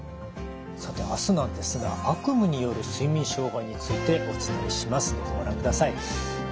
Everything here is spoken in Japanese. さて明日なんですが悪夢による睡眠障害についてお伝えします。